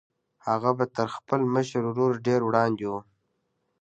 هغه به تر خپل مشر ورور ډېر وړاندې وي